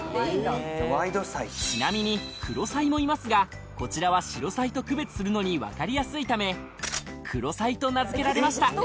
ちなみにクロサイもいますがこちらはシロサイと区別するのに分かりやすいためクロサイと名付けられました